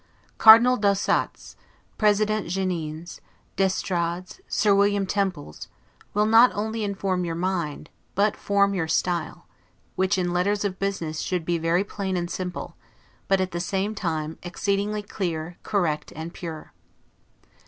Cardinal d'Ossat's, President Jeanin's, D'Estrade's, Sir William Temple's, will not only inform your mind, but form your style; which, in letters of business, should be very plain and simple, but, at the same time, exceedingly clear, correct, and pure.